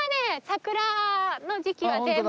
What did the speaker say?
桜の時期は全部。